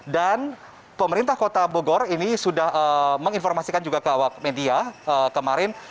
dan pemerintah kota bogor ini sudah menginformasikan juga ke awal media kemarin